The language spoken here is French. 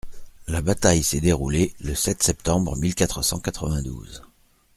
La bataille s’est déroulée le sept septembre mille quatre cent quatre-vingt-douze.